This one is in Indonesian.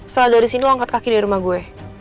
setelah dari sini lo angkat kaki dari rumah gue